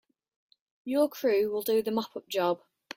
Your crew will do the mop up job.